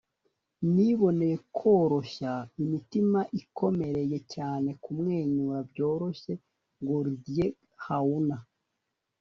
niboneye koroshya imitima ikomereye cyane kumwenyura byoroshye. - goldie hawn